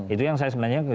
itu yang saya sebenarnya